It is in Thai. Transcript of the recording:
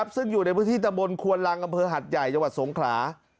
ซึ่งอยู่ในพื้นที่ตะบนควนลังอำเภอหัดใหญ่จังหวัดสงขลา